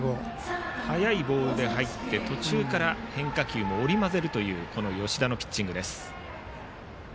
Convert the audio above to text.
速いボールで入って途中から変化球も織り交ぜるというこの吉田のピッチングです。